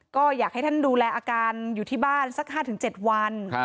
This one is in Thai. ก็อยากให้ท่านดูแลอาการอยู่ที่บ้านสัก๕๗วัน